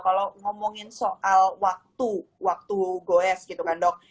kalau ngomongin soal waktu waktu goes gitu kan dok